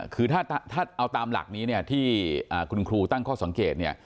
คือถ้าเอาตามหลักนี้ที่คุณครูตั้งข้อสนเกต